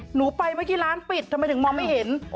หนูไปเมื่อกี้ร้านปิดทำไมถึงมองไม่เห็น